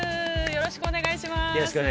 ◆よろしくお願いします。